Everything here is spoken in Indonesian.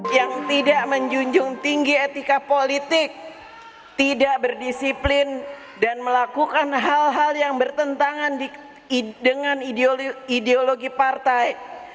yang tidak menjunjung tinggi etika politik tidak berdisiplin dan melakukan hal hal yang bertentangan dengan ideologi partai